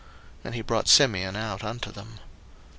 And he brought Simeon out unto them.